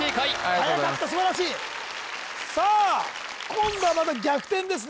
はやかった素晴らしいさあ今度はまた逆転ですね